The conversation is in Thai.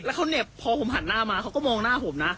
แล้วเขาเห็บพอผมหันหน้ามาเขาก็มองหน้าผมนะ